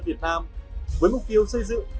việt nam với mục tiêu xây dựng